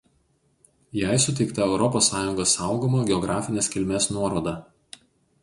Jai suteikta Europos Sąjungos saugoma geografinės kilmės nuoroda.